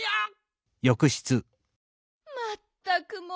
まったくもう！